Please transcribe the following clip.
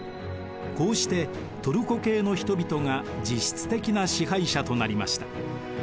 こうしてトルコ系の人々が実質的な支配者となりました。